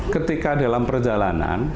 ketika dalam perjalanan